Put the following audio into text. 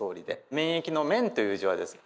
免疫の「免」という字はですね